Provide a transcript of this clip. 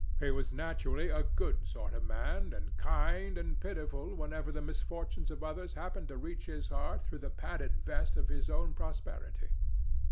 He was naturally a good sort of a man, and kind and pitiful whenever the misfortunes of others happened to reach his heart through the padded vest of his own prosperity.